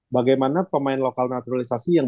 bagaimana pemain lokal naturalisasi yang